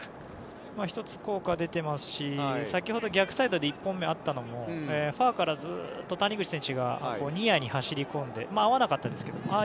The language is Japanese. １つ、効果は出ていますし先ほど、逆サイドで１本目、あったのもファーからずっと谷口選手がニアに走り込んで合わなかったですけども。